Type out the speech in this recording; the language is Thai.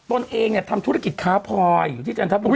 ตนเองทำธุรกิจค้าพลอยอยู่ที่จันทบุรี